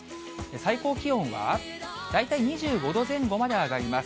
最高気温は大体２５度前後まで上がります。